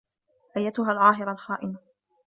أيّتها العاهرة الخائنة!